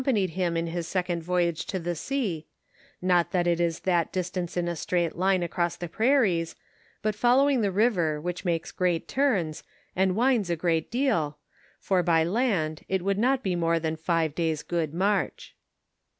panied him in hie second voyage to the sea, not that it is that distance in a straight line across the prairies, but following the river which makes great turns, and winds a great deal, for by land it would not be more than five days' good march.